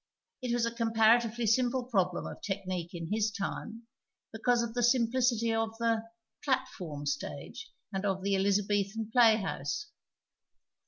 It was a comparatively simj)le problem of technique in his time because of the simplicity of the " platform " stage and of the Elizabethan playhouse.